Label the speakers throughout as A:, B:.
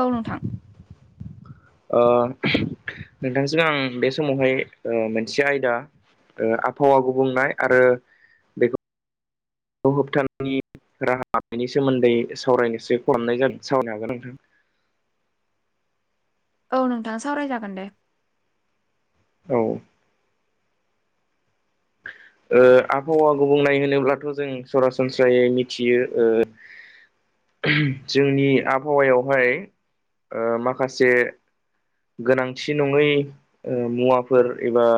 A: औ नोंथां
B: ओ नोंथांजों आं बे समावहाय ओ मोनसे आयदा ओ आबहावा गुबुंनाय आरो बेखौ होबथानायनि राहा बेनि सोमोनदै सावरायनोसै फन हरनाय जादों सावरायनो हागोन नोंथां
A: औ नोंथां सावराय जागोन दे
B: औ ओ आबहावा गुबुंनाय होनोब्लाथ' जों सरासनस्रायै मिथियो ओ
A: [inaudible]
B: जोंनि आबहावायावहाय ओ माखासे गोनांथि नङै ओ मुवाफोर एबा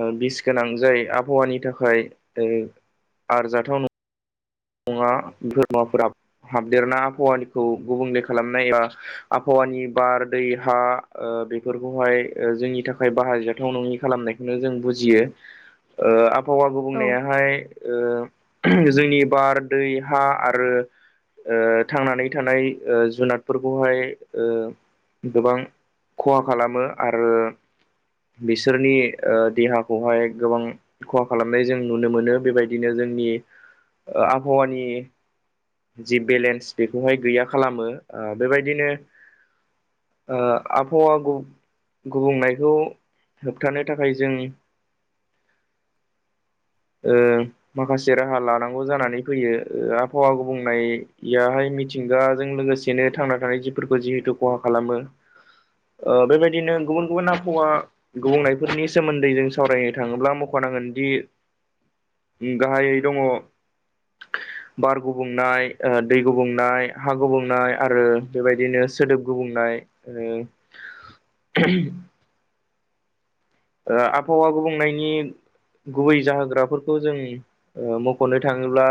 B: ओ बिस गोनां जाय आबहावानि थाखाय ओ आरजाथाव न ङा धङा [unintelligible] फोरा हाबदेरना आबहावानिखौ गुबुंले खालामनाय एबा आबहावानि बार दै हा ओ बेफोरखौहाय जोंनि थाखाय बाहायजाथाव नङि खालामनाय बेखोनो जों बुजियो
A: [inaudible]
B: ओ आबहावा
A: औ
B: गुबुंनायाहाय ओ जोंनि बार दै हा आरो ओ थांनानै थानाय ओ जुनादफोरखौहाय ओ गोबां खहा खालामो आरो बिसोरनि ओ देहाखौहाय गोबां खहा खालामनाय जों नुनो मोनो बेबायदिनो जोंनि ओ आबहावानि जि बेलेन्स बेखौहाय गैया खालामो ओ बेबायदिनो ओ आबहावा गुबुंनायखौ होबथानो थाखाय जों ओ माखासे राहा लानांगौ जानानै फैयो आबहावा गुबुंनाय याहाय मिथिंगाजों लोगोसेनो थांना थानाय जिफोरखौ जिहेथु खहा खालामो। ओ बेबायदिनो गुबुन गुबुन आबहावा गुबुंनायफोरनि सोमोनदै जों सावरायनो थाङोब्ला मख'नांगोनदि गाहायै दङ
A: [inaudible]
B: बार गुबुंनाय ओ दै गुबुंनाय हा गुबुंनाय आरो बेबायदिनो सोदोब गुबुंनाय ओ ओ आबहावा गुबुंनायनि गुबै जाहोग्राफोरखौ जों मख'नो थाङोब्ला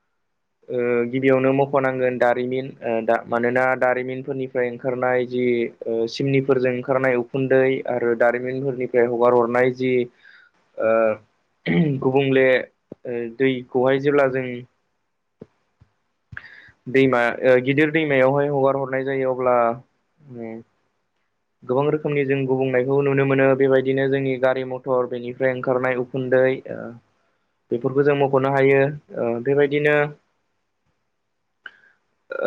A: [inaudible]
B: ओ गिबियावनो मख'नांगोन दारिमिन ओ मानोना दारिमिनफोरनिफ्राय ओंखारनाय जि ओ सिमनिफोरजों ओंखारनाय उखुन्दै आरो दारिमिनफोरनिफ्राय हगार हरनाय जि ओ गुबुंले दैखौहाय जेब्ला जों दैमा ओ गिदिर दैमायावहाय हगार हरनाय जायो अब्ला गोबां रोखोमनि जों गुबुंनायखौ नुनो मोनो बेबायदिनो जोंनि गारि मटर बेनिफ्राय ओंखारनाय उखुनदै
A: [inaudible]
B: बेफोरखौ जों मख'नो हायो ओ बेबायदिनो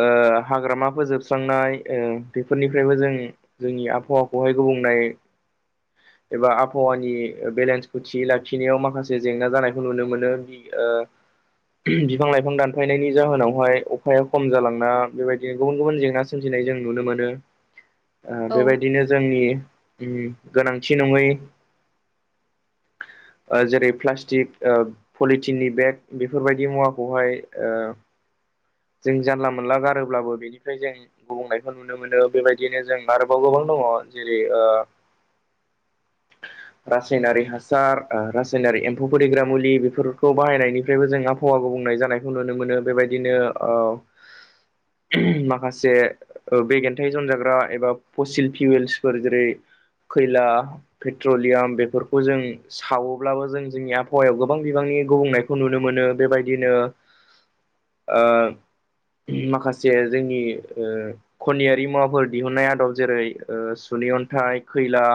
B: ओ हाग्रामा फोजोबस्रांनाय ओ बेफोरनिफ्रायबो जों जोंनि आबहावाखौहाय गुबुंनाय एबा आबहावानि बेलेन्सखौ थि लाखिनायाव माखासे जेंना जानायखौ नुनो मोनो। ओ बिफां लाइफां दानफायनायनि जाहोनावहाय अखाया खम जालांना बेबायदिनो गुबुन गुबुन जेंना सोमजिनाय जों नुनो मोनो। ओ
A: औ
B: बेबायदिनो जोंनि गोनांथि नङै
A: [inaudible]
B: ओ जेरै प्लास्टिक ओ पलिटिननि बेग बेफोरबायदि मुवाखौहाय ओ जों जानला मोनला गारोब्लाबो बेनिफ्राय जों गुबुंनायखौ नुनो मोनो बेबायदिनो जों आरोबाव गोबां दङ जेरै ओ
A: [inaudible]
B: रासायनारि हासार रासायनारि एम्फौ फिग्रा मुलि बेफोरखौ बाहायनायनिफ्रायबो जों आब हावा गुबुंनाय जानायखौ नुनो मोनो बेबायदिनो ओ
A: [inaudible]
B: माखासे ओ बेगेन्थायाइ जनजाग्रा एबा पसिल फिवेल्सफोर जेरै खैला पेट्रलियाम बेफोरखौ जों सावोब्लाबो जों जोंनि आबहावायाव गोबां बिबांनि गुबुंनायखौ नुनो मोनो बेबायदिनो आ माखासे जोंनि ओ खनियारि मुवाफोर दिहुननाय आदब जेरै ओ सुनि अन्थाइ खैला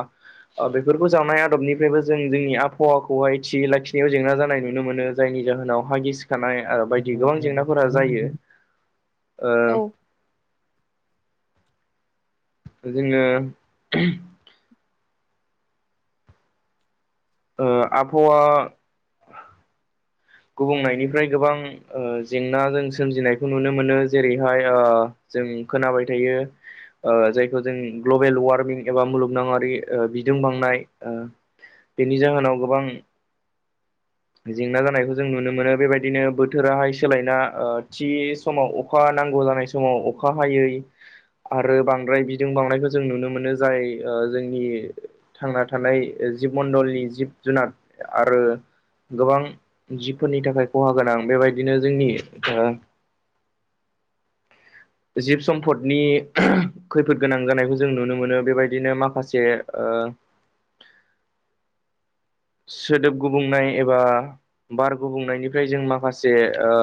B: बेफोरखौ जानाय आदबनिफ्रायबो जों जोंनि आबहावाखौहाय थि लाखिनायाव जेंना जानाय नुनो मोनो। जायनि जाहोनाव हागि सिखानाय आरो बायदि गोबां जेंनाफोरा जायो ओ
A: औ
B: जोङो ओ आबहावा गुबुंनायनिफ्राय गोबां आ जेंना जों सोमजिनायखौ नुनो मोनो जेरैहाय आ जों खोनाबाय थायो जायखौ जों ग्लबेल वार्मिं एबा मुलुगनाङारि ओ बिदुं बांनाय ओ बेनि जाहोनाव गोबां जेंना जानायखौ जों नुनो मोनो बेबायदिनो बोथोराहाय सोलायना ओ थि समाव अखा नांगौ जानाय समाव अखा हायै आरो बांद्राय बिदुं बावनायखौ जों नुनो मोनो जाय जोंनि थांना थानाय जिब मडलनि जिब जुनार आरो गोबां जिफोरनि थाखाय खहा गोनां बेबायदिनो जोंनि जिब सम्पदनि खैफोद गोनां जानायखौ जों नुनो मोनो बेबायदिनो माखासे ओ सोदोब गुबुंनाय एबा बार गुबुंनायनिफ्राय जों माखासे ओ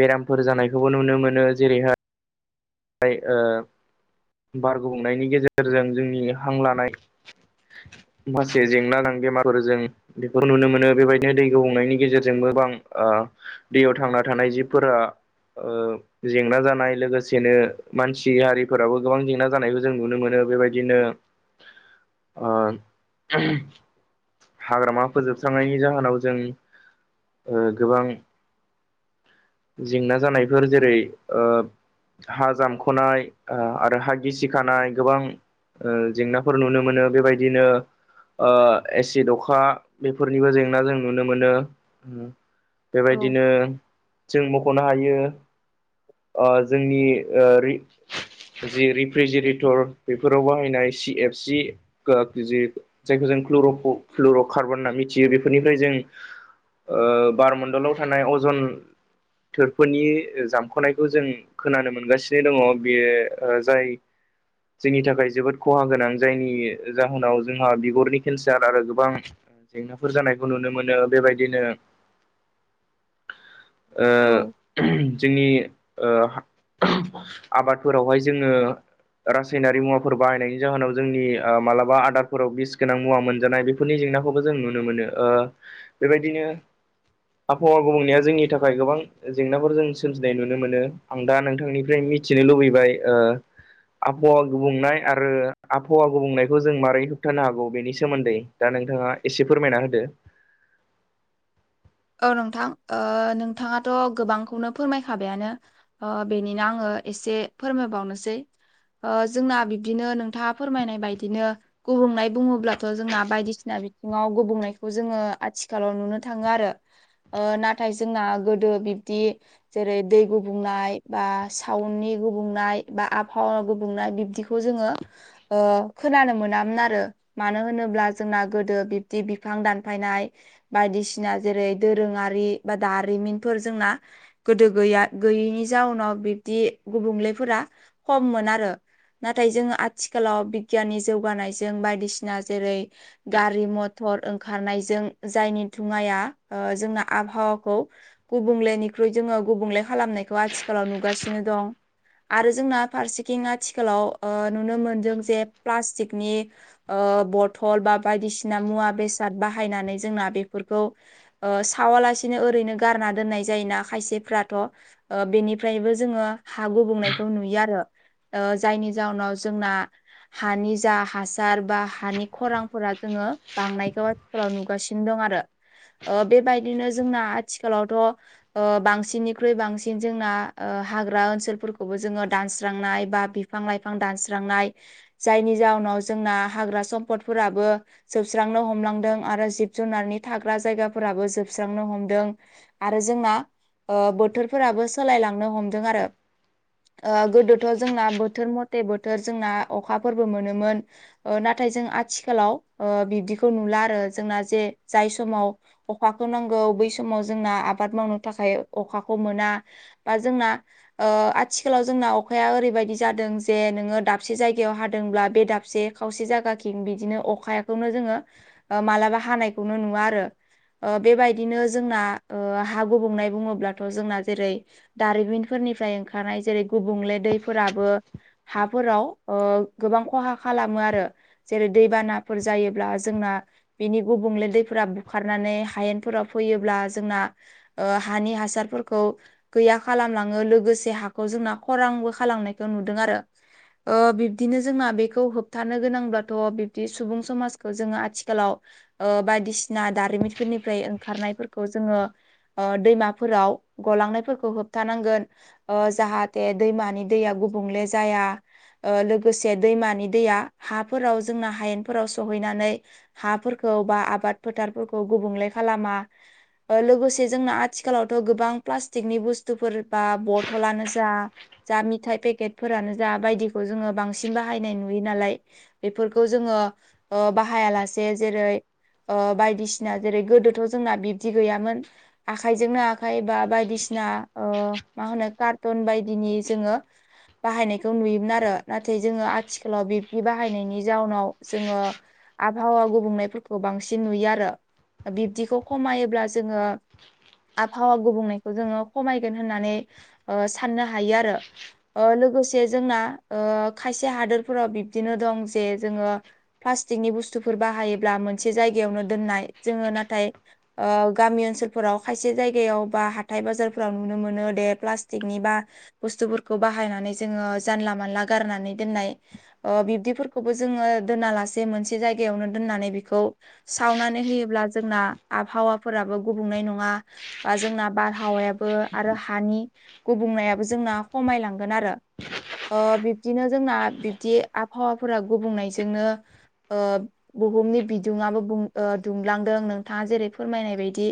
B: बेरामफोर जानायखौबो नुनो मोनो जेरैहाय ओ बार गुबुंनायनि गेजेरजों जोंनि हां लानाय माखासे जेंना नांदों मागोरो जों बेखौ नुनो मोनो बेबायदिनो दैखौ हुंनायनि गेजेरजोंबो बां दैयाव थांना थानाय जिबफोरा जेंना जानाय लोगोसे बिनो मानसि हारिफोराबो गोबां जेंना जानायखौ जों नुनो मोनो बेबायदिनो आ हाग्रामा फोजोबस्रांनायनि जाहोनाव जों गोबां जेंना जानायफोर जेरै ओ हा जामख'नाय आरो हा गिसिखानाय गोबां ओ जेंनाफोर नुनो मोनो बेबायदिनो ओ एसि द अखा बेफोरनिबो जेंना जों नुनो मोनो। बेबायदिनो जों मख'नो हायो जोंनि जि रिफ्रिजिरेटर बेफोराव बाहायनाय सि एफ सि [unintelligible] जायखौ जों क्लुर' कार्बन होनना मिथियो बेफोरनिफ्राय जों ओ बारमण्डलाव थानाय अजन थोरफोरनि जामख'नायखौ जों खोनानो मोनगासिनो दङ बेयो जाय जोंनि थाखाय जोबोद खहा गोनां जायनि जाहोनाव जोंहा बिगुरनि केन्सार आरो गोबां जेंनाफोर जानायखौ नुनो मोनो बेबायदिनो ओ
A: औ
B: जोंनि ओ आबादफोरावहाय जोङो रासायनारि मुवाफोर बाहायनायनि जाहोनाव जोंनि मालाबा आदारफोराव बिस गोनां मुवा मोनजानाय बे फोरनि जेंनाखौबो जों नुनो मोनो ओ बेबायदिनो आबहावा गुबुंनाया जोंनि नि थाखाय गोबां जेंनाफोर जों सोमजिनाय नुनो मोनो आं दा नोंथांनिफ्राय मिथिनो लुबैबाय ओ आबहावा गुबुंनाय आरो आबहावा गुबुंनायखौ जों मारै होबथानो हागौ बेनि सोमोन्दै दा नोंथाङा एसे फोरमायना होदो
A: औ नोंथां ओ नोंथाङाथ' गोबांखौनो फोरमायखाबायानो ओ बेनिनो आङो एसे फोरमायबावनोसै ओ जोंना बिब्दिनो नोंथाङा फोरमायनाय बायदिनो गुबुंनाय बुङोब्लाथ' जोंना बायदिसिना बिथिङाव गुबुंनायखौ जोङो आथिखालाव नुनो थाङो आरो ओ नाथाय जोंना गोदो बिब्दि जेरै दै गुबुंनाय बा सावुननि गुबुंनाय बा आबहावा गुबुंनाय बिब्दिखौ खौ जोङो ओ खोनानो मोनामोन आरो मानो होनोब्ला जोंना गोदो बिब्दि बिफां दानफायनाय बायदिसिना जेरै दोरोङारि बा दारिमिनफोर जोंना गोदो गैया गैयैनि जाउनाव बिब्दि गुबुंलेफोरा खममोन आरो नाथाय जोङो आथिखालाव बिगियाननि जौगानायजों बायदिसिना जेरै गारि मथर ओंखारनायजों जायनि दुङाया ओ जोंना आबहावाखौ गुबुंलेनिख्रुइ जोङो गुबुंले खालामनायखौ आथिखालाव नुगासिनो दं आरो जोंना फारसेथिं आथिखालाव ओ नुनो मोनदों जे प्लास्टिकनि ओ बथल बा बायदिसिना मुवा बेसाद बाहायनानै जोंना बेफोरखौ ओ सावालासिनो ओरैनो गारना दोननाय जायोना खायसेफ्राथ' ओ बेनिफ्रायबो जोङो हा गुबुंनायखौ नुयो आरो ओ जायनि जाउनाव जोंना हानि जा हासार बा हानि खरांफोरा जोङो बांनायखौ आथिखालाव नुगासिनो दं आरो ओ बेबायदिनो जोंना आथिखालावथ' ओ बांसिननिख्रुइ बांसिन जोंना ओ हाग्रा ओनसोलफोरखौबो जोङो दानस्रांनाय बा बि बिफां लाइफां दानस्रांनाय जायनि जाउनाव जोंना हाग्रा सम्फदफोराबो जोबस्रांनो हमलांदों आरो जिब जुनारनि थाग्रा जायगाफोराबो जोबस्रांनो हमदों आरो जोंना ओ बोथोरफोराबो सोलायलांनो हमदों आरो ओ गोदोथ' जोंना बोथोर मथे बोथोर जोंना अखाफोरबो मोनोमोन ओ नाथाय जों आथिखालाव ओ बिबदिखौ नुला आरो जोंना जे जाय समाव अखाखौ नांगौ बै समाव जोंना आबाद मावनो थाखाय अखाखौ मोना बा जोंना ओ आथिखालाव जोंना अखाया ओरैबायदि जादों जे नोङो दाबसे जायगायाव हादोंब्ला बे दाबसे खावसे जायगाखिं बिदिनो अखाखौनो जोङो मालाबा हानायखौनो नुवा आरो ओ बेबायदिनो जोंना ओ हा गुबुंनाय बुङोब्लाथ' जोंना जेरै दारिमिनफोरनिफ्राय ओंखारनाय जेरै गुबुंले दैफोराबो हाफोराव ओ गोबां खहा खालामो आरो जेरै दैबानाफोर जायोब्ला जोंना बिनि गुबुंले दैफोरा बुखारनानै हायेनफोराव फैयोब्ला जोंना ओ हानि हासारफोरखौ गैया खालामलाङो लोगोसे हाखौ जोंना खरांबो खालामनायखौ नुदों आरो ओ बिबदिनो जोंना बेखौ होबथानो गोनांब्लाथ' बिब्दि सुबुं समाजखौ जोङो आथिखालाव ओ बायदिसिना दारिमिनफोरनिफ्राय ओंखारनायफोरखौ जोङो ओ दैमाफोराव गलांनायफोरखौ होबथानांगोन ओ जाहाथे दैमानि दैया गुबुंले जाया ओ लोगोसे दैमानि दैया हाफोराव जोंना हायेनफोराव सहैनानै हाफोरखौ बा आबाद फोथारफोरखौ खौ गुबुंले खालामा लोगोसे जोंना आथिखालावथ' गोबां प्लास्टिकनि बुस्थुफोर बा बथलानो जा जा मिथाइ पेकेटफोरानो जा बायदिखौ जोङो बांसिन बाहायनाय नुयो नालाय बेफोरखौ जोङो ओ बाहाया लासे जेरै ओ बायदिसिना सिना जेरै गोदोथ' जोंना बिब्दि गैयामोन आखाइजोंनो आखाइ बा बायदिसिना ओ मा होनो कारटन बायदिनि जोङो बाहायनायखौ नुयोमोन आरो नाथाय जोङो आथिखालाव बिबदि बाहायनायनि जाउनाव जोङो आबहावा गुबुंनायफोरखौ बांसिन नुयो आरो बिब्दिखौ खमायोब्ला जोङो
B: [inaudible]
A: आबहावा गुबुंनायखौ जोङो खमायगोन होननानै साननो हायो आरो ओ लोगोसे जोंना ओ खायसे हादोरफोराव बिबदिनो दं जे जोङो प्लास्टिकनि बुस्थुफोर बाहायोब्ला मोनसे जायगायावनो दोननाय जोङो नाथाय ओ गामि ओनसोलफोराव खायसे जायगायाव बा हाथाय बाजारफोराव नुनो मोनो दे प्लास्टिकनि बा बुसथुफोरखौ बाहायनानै जोङो जानला मानला गारनानै दोननाय बिबदिफोरखौबो जोङो दोना लासे मोनसे जायगायावनो दोननानै बेखौ सावनानै होयो ब्ला जोंना आबहावाफोराबो गुबुंनाय नङा बा जोंना बारहावा याबो आरो हानि गुबुंनायाबो जोंना खमायलांगोन आरो ओ बिबदिनो जोंना बिबदि आबहावाफोरा गुबुंनायजोंनो बुहुमनि बिदुङाबो बुं ओ दुंलांदों नोंथाङा जेरै फोरमायनाय बायदि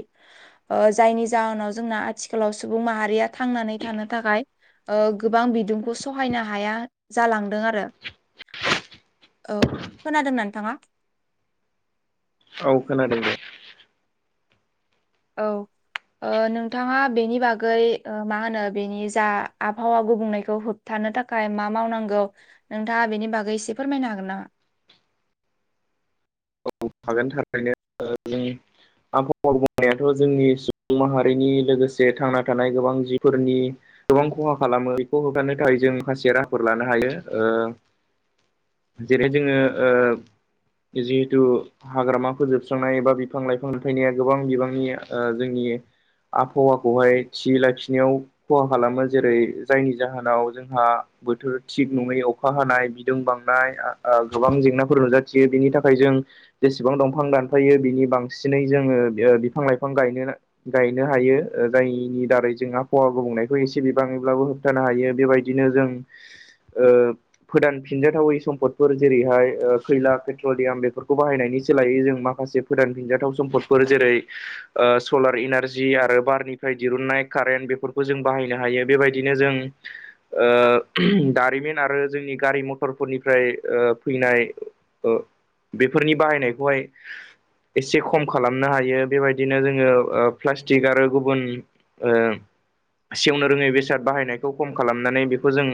A: ओ जायनि जाहोनाव जोंना आथिखालाव सुबुं माहारिया थांनानै थानो थाखाय ओ गोबां बिदुंखौ सहायनो हाया जालांदों आरो औ खोनादोंना नोंथाङा
B: औ खोनादों दे
A: औ ओ नोंथाङा बेनि बागै ओ मा होनो बेनि जा आबहावा गुबुंनायखौ होब थानो थाखाय मा मावनांगौ नोंथाङा बेनि बागै एसे फोरमायनो हागोन नामा
B: [unintelligible] आबहावा गुबुंनायाथ जोंनि सुबुं माहारिनि लोगोसे थांना थानाय गोबां जिफोरनि गोबां खहा खालामो बेखौ होबथानो थाखाय जों माखासे राहाफोर लानो हायो जेरै जोङो जिहेथु हाग्रामा फोजोबस्रांनाय एबा बिफां लाइफां लुफायनाया गोबां बिबांनि जोंनि आबहावाखौहाय थियै लाखिनायाव खहा खालामो जेरै जायनि जाहोनाव जोंहा बोथोर थिग नङैयाव अखा हानाय बिदुं बांनाय गोबां जेंनाफोर नुजाथियो बेनि थाखाय जों जेसेबां दंफां दानफायो बिनि बांसिनै जोङो बिफां लाइफां गायनो गायनो हायो जायनि दारै जों आबहावा गुबुंनायखौ एसे बिबाङैब्लाबो होबथानो हायो बेबायदिनो जों फोदानफिनजाथावै सम्पदफोर जेरैहाय खैला पेट्रलियाम बेफोरखौ बाहायनायनि सोलायै जों माखासे फोदान फिनजाथाव सम्फदफोर जेरै सलार इनारजि आरो बारनिफ्राय दिरुननाय कारेन्ट बेफोरखौ जों बाहायनो हायो बेबायदि बिदिनो जों दारिमिन आरो जोंनि गारि मटरफोरनिफ्राय फैनाय ओ बेफोरनि बाहायनायखौहाय एसे खम खालामनो हायो बेबायदिनो जोङो प्लास्टिक आरो गुबुन सेवनो रोङै बेसाद बाहायनायखौ खम खालामनानै बेखौ जों